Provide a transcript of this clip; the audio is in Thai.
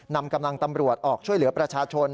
นำกำลังตำรวจออกช่วยเหลือประชาชน